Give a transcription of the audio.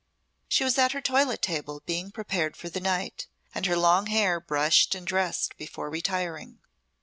She was at her toilet table being prepared for the night, and her long hair brushed and dressed before retiring.